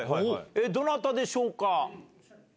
どなたでしょうか。